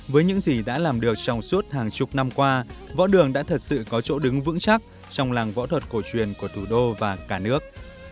với những gì đã làm được trong suốt hàng chục năm qua võ đường đã thật sự có chỗ đứng vững chắc trong làng võ thuật cổ truyền của thủ đô và cả nước